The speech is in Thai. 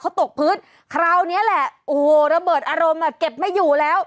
เขาตกพื้นคราวนี้แหละโอ้โหระเบิดอารมณ์อ่ะเก็บไม่อยู่แล้ว